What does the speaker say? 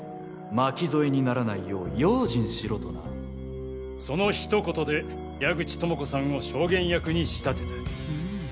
巻き添えにならないよう用心しろとなそのひと言で矢口知子さんを証言役に仕立てた。